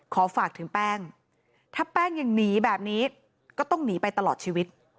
ฝากถึงแป้งถ้าแป้งยังหนีแบบนี้ก็ต้องหนีไปตลอดชีวิต